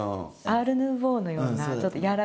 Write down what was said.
アール・ヌーヴォーのようなちょっと柔らかい形。